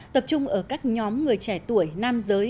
tập trung ở các nhóm người trẻ tuổi nam giới